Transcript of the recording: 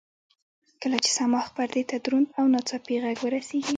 کله چې صماخ پردې ته دروند او ناڅاپي غږ ورسېږي.